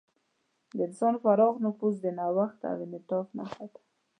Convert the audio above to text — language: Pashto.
د انسان پراخ نفوذ د نوښت او انعطاف نښه ده.